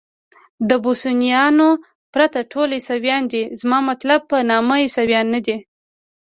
د بوسنیایانو پرته ټول عیسویان دي، زما مطلب په نامه عیسویان نه دي.